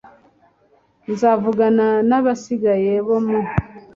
nzavugana n abasigaye bo mu